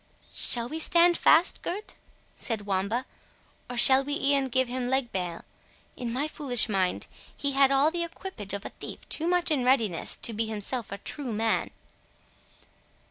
"Shall we stand fast, Gurth?" said Wamba; "or shall we e'en give him leg bail? In my foolish mind, he had all the equipage of a thief too much in readiness, to be himself a true man."